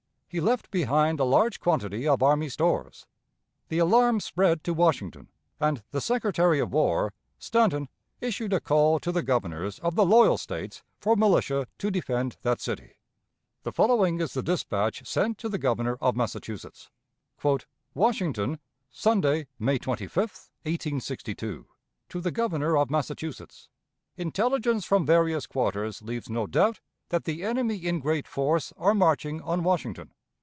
He left behind a large quantity of army stores. The alarm spread to Washington, and the Secretary of War, Stanton, issued a call to the Governors of the "loyal" States for militia to defend that city. [Illustration: Lieutenant General T. J. Jackson.] The following is the dispatch sent to the Governor of Massachusetts: "WASHINGTON, Sunday, May 25, 1862. "To the Governor of Massachusetts. "Intelligence from various quarters leaves no doubt that the enemy in great force are marching on Washington.